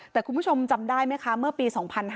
แต่คุณผู้ชมจำได้ไหมคะเมื่อปี๒๕๕๙